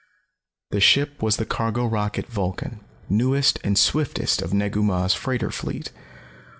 The ship was the cargo rocket Vulcan, newest and swiftest of Negu Mah's freighter fleet.